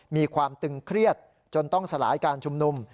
มีความตึงเครียดจนต้องสลายการชุมนุม